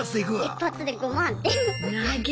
一発で５万。